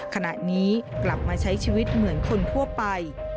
ขณะนี้กลับมาใช้ชีวิตเหมือนคนทั่วไป